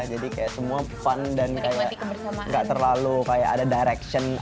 jadi kayak semua fun dan kayak nggak terlalu kayak ada direction